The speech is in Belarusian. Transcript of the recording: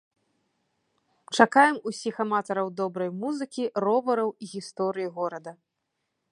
Чакаем усіх аматараў добрай музыкі, ровараў і гісторыі горада!